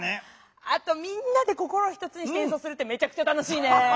あとみんなで心を一つにしてえんそうするってめちゃくちゃ楽しいね。